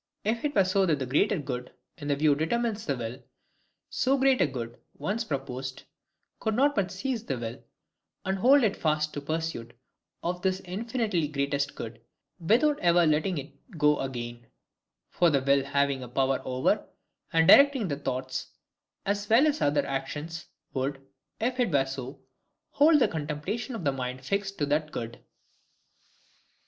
If it were so that the greater good in view determines the will, so great a good, once proposed, could not but seize the will, and hold it fast to the pursuit of this infinitely greatest good, without ever letting it go again: for the will having a power over, and directing the thoughts, as well as other actions, would, if it were so, hold the contemplation of the mind fixed to that good.